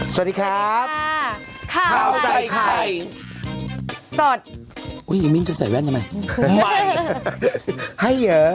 สวัสดีครับข้าวใส่ไข่สดอุ้ยไอ้มิ้นจะใส่แว่นทำไมใหม่ให้เยอะ